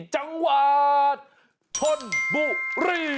จังหวาดท่นบุรี